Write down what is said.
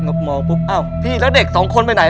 ก็มองปุ๊บอ้าวพี่แล้วเด็กสองคนไปไหน